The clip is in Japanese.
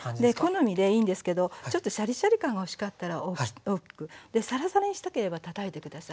好みでいいんですけどちょっとシャリシャリ感が欲しかったら大きくサラサラにしたければたたいて下さい。